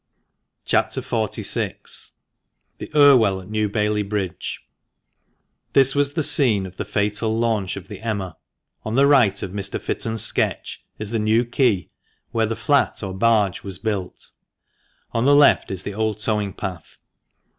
CHAP. XLVI. — THE IRWELL AT NEW BAILEY BRIDGE. — This was the scene of the fatal launch of the Emma. On the right of Mr. Fitton's sketch is the New Quay, where the flat (or barge) was built. On the left is the oM towing path.